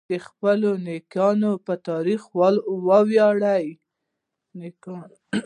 د خپلو نیکونو په تاریخ وویاړئ.